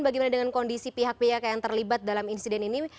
bagaimana dengan kondisi pihak pihak yang terlibat dalam insiden ini